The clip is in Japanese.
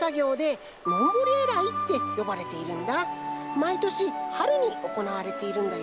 まいとしはるにおこなわれているんだよ。